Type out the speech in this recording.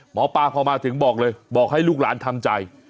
หมอปลาพอมาถึงบอกเลยบอกให้ลูกหลานทำใจ